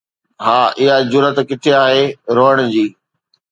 ها، اها جرئت ڪٿي آهي روئڻ جي؟